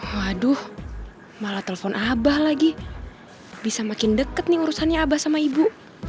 waduh malah telepon abah lagi bisa makin deket nih urusannya abah sama ibu